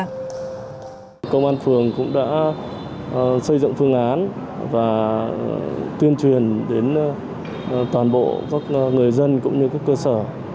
công an phường cũng đã xây dựng phương án và tuyên truyền đến toàn bộ các người dân cũng như các cơ sở